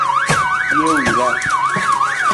Jee wila.